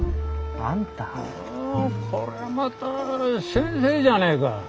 ああこりゃまた先生じゃねえか。